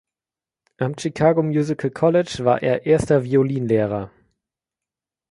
Am Chicago Musical College war er erster Violinlehrer.